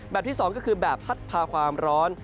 ที่๒ก็คือแบบพัดพาความร้อน